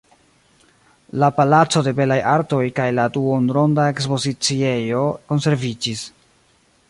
La "palaco de belaj artoj" kaj la duonronda ekspoziciejo konserviĝis.